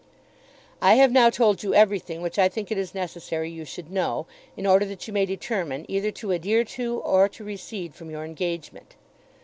I have now told you everything which I think it is necessary you should know, in order that you may determine either to adhere to or to recede from your engagement.